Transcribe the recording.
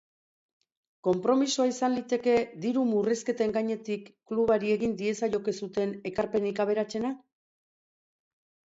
Konpromisoa izan liteke diru-murrizketen gainetik klubari egin diezaiokezuten ekarpenik aberatsena?